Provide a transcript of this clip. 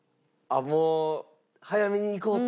もう早めに行こうと。